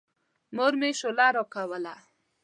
مور مې شوله راکوله.